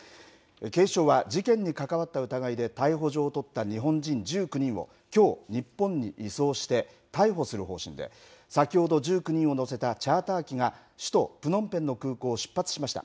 警視庁は、事件に関わった疑いで逮捕状を取った日本人１９人をきょう、日本に移送して逮捕する方針で、先ほど１９人を乗せたチャーター機が首都プノンペンの空港を出発しました。